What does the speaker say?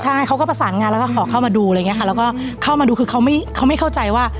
ใช่เขาก็ประสานงานแล้วก็ขอเข้ามาดูอะไรอย่างนี้ค่ะแล้วก็เข้ามาดูคือเขาไม่เข้าใจว่า